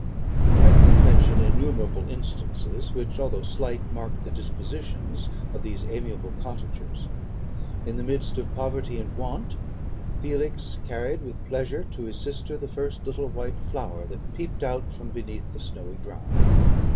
"I could mention innumerable instances, which, although slight, marked the dispositions of these amiable cottagers. In the midst of poverty and want, Felix carried with pleasure to his sister the first little white flower that peeped out from beneath the snowy ground.